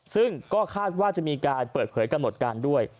ซึ่งก็คาดว่าจะมีการเปิดเผยกำหนดการด้วย